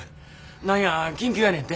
何や緊急やねんて。